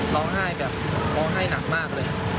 ร้องไห้แบบร้องไห้หนักมากเลย